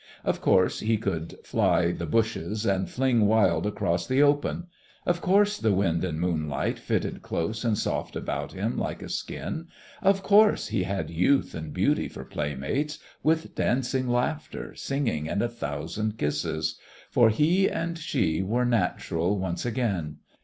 Of course he could fly the bushes and fling wild across the open! Of course the wind and moonlight fitted close and soft about him like a skin! Of course he had youth and beauty for playmates, with dancing, laughter, singing, and a thousand kisses! For he and she were natural once again.